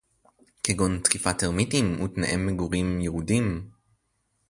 כגון תקיפת טרמיטים ותנאי מגורים ירודים